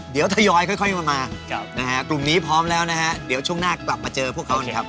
เดี๋ยวทยอยค่อยมานะฮะกลุ่มนี้พร้อมแล้วนะฮะเดี๋ยวช่วงหน้ากลับมาเจอพวกเขานะครับ